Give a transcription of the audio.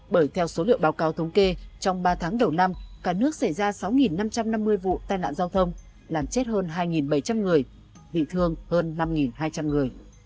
bởi theo số liệu báo cáo thống kê trong ba tháng đầu năm cả nước xảy ra sáu năm trăm năm mươi vụ tai nạn giao thông làm chết hơn hai bảy trăm linh người bị thương hơn năm hai trăm linh người